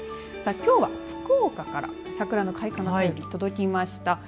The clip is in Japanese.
さあ、きょうは福岡から桜の開花の便り、届きました。